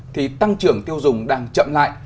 thì tăng trưởng tiêu dùng đang chậm lại